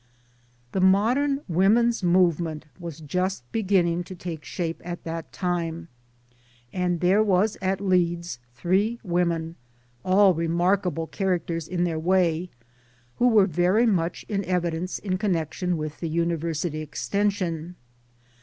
The modern Women's Movement was just begin ning to take shape at that time. And there was at Leeds three women all remarkable characters in their way who were very much in evidence in con nection with the University Extension.